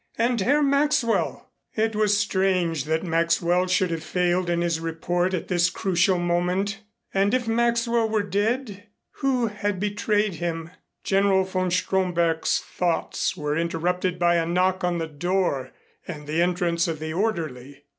And Herr Maxwell! It was strange that Maxwell should have failed in his report at this crucial moment. And if Maxwell were dead who had betrayed him? General von Stromberg's thoughts were interrupted by a knock on the door and the entrance of the orderly.